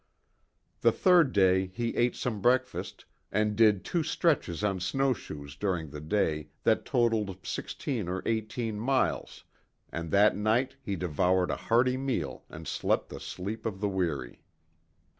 The third day he ate some breakfast, and did two stretches on snowshoes during the day that totaled sixteen or eighteen miles, and that night he devoured a hearty meal and slept the sleep of the weary.